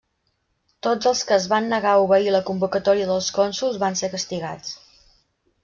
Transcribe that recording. Tots els que es van negar a obeir la convocatòria dels cònsols van ser castigats.